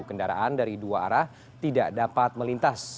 kendaraan dari dua arah tidak dapat melintas